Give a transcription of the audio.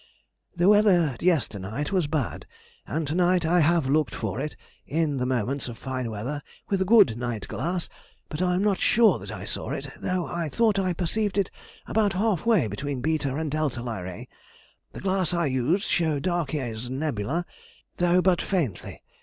The weather yesternight was bad, and to night I have looked for it, in the moments of fine weather, with a good night glass, but am not sure that I saw it, though I thought I perceived it about half way between β and δ Lyræ. The glass I used showed D'Arquier's nebula, though but faintly.